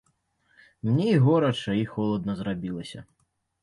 Мне і горача, і холадна зрабілася.